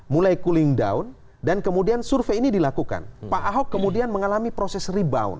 mulai cooling down dan kemudian survei ini dilakukan pak ahok kemudian mengalami proses rebound